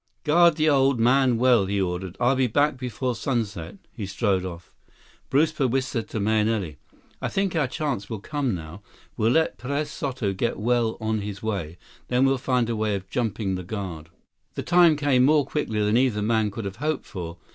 "Guard the old man well," he ordered. "I'll be back before sunset." He strode off. 155 Brewster whispered to Mahenili. "I think our chance will come now. We'll let Perez Soto get well on his way, then we'll find a way of jumping the guard." The time came more quickly than either man could have hoped for.